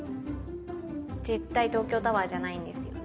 絶対東京タワーじゃないんですよね。